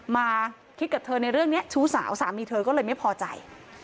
มาคิดกับเธอในเรื่องนี้ชู้สาวสามีเธอก็เลยไม่พอใจ